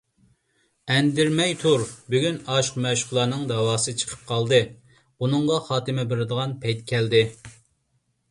ئەندىرىمەي تۇر! بۈگۈن ئاشىق - مەشۇقلارنىڭ دەۋاسى چىقىپ قالدى، بۇنىڭغا خاتىمە بېرىدىغان پەيتى كەلدى.